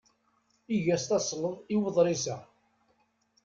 Eg-as tasleḍt i uḍris-a.